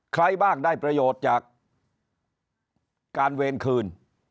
ใครบ้างได้ประโยชน์จากการเวรคืน